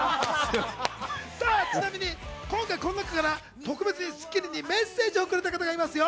さぁちなみに今回この中から特別に『スッキリ』にメッセージをくれた方がいますよ。